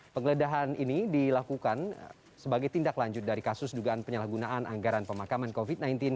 penggeledahan ini dilakukan sebagai tindak lanjut dari kasus dugaan penyalahgunaan anggaran pemakaman covid sembilan belas